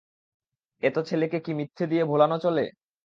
এত ছেলেকে কি মিথ্যে দিয়ে ভোলানো চলে?